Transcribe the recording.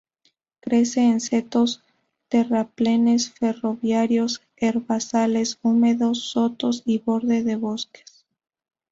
Crece en setos, terraplenes ferroviarios, herbazales húmedos, sotos y borde de bosques.